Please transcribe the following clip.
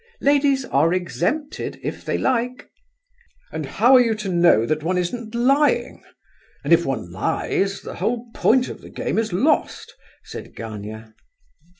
"Ladies are exempted if they like." "And how are you to know that one isn't lying? And if one lies the whole point of the game is lost," said Gania.